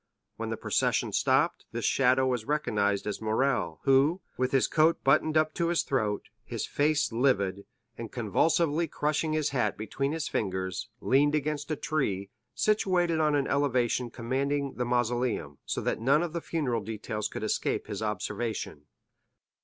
When the procession stopped, this shadow was recognized as Morrel, who, with his coat buttoned up to his throat, his face livid, and convulsively crushing his hat between his fingers, leaned against a tree, situated on an elevation commanding the mausoleum, so that none of the funeral details could escape his observation.